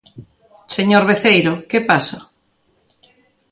Señor Veceiro, ¿que pasa?